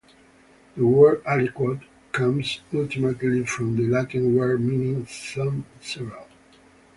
The word "aliquot" comes ultimately from the Latin word meaning "some, several".